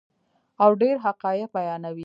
او ډیر حقایق بیانوي.